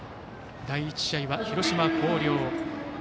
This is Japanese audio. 第１試合は広島・広陵